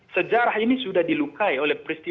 sejarah ini sudah dilukai oleh peristiwa